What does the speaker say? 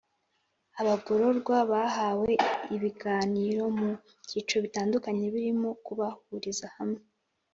Abagororwa bahawe ibiganiro mu byiciro bitandukanye birimo kubahuriza hamwe